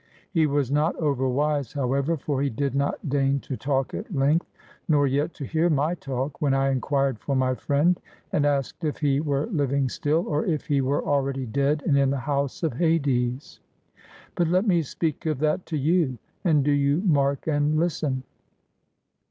He was not overwise, however; for he did not deign to talk at length, nor yet to hear my talk, when I inquired for my friend, and asked if he were living still or if he were already dead and in the house of Hades. But let me speak of that to you, and do you mark and listen.